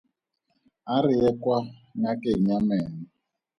A re ye kwa ngakeng ya meno.